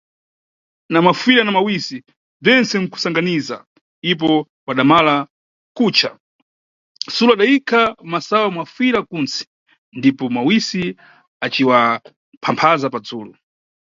Na mafuyira na mawisi, bzense nʼkumbasangabiza, ipo wadamala kutca, Sulo adayikha masayu nafuyira kunsi, ndipo mawisi aciyapamphaza padzulu.